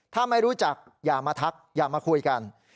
ถ้าไม่รู้จักอย่ามาทักอย่ามาคุยกัน